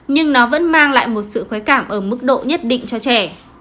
nhưng nó vẫn mang lại một sự khói cảm ở mức độ nhất định cho trẻ